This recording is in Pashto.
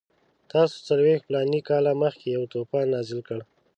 تاسو څلوېښت فلاني کاله مخکې یو طوفان نازل کړ.